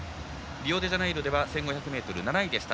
リオデジャネイロでは１５００ｍ、７位でした。